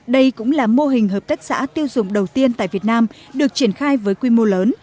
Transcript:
đây cũng là mô hình hợp tác xã tiêu dùng đầu tiên tại việt nam được triển khai với quy mô lớn